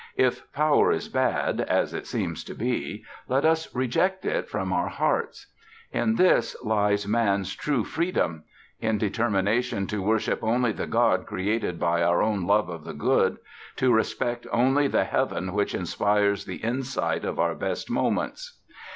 If Power is bad, as it seems to be, let us reject it from our hearts. In this lies Man's true freedom: in determination to worship only the God created by our own love of the good, to respect only the heaven which inspires the insight of our best moments.